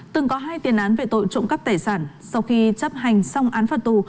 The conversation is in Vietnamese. từng có hai tiền án về tội trộm cắp tài sản sau khi chấp hành xong án phạt tù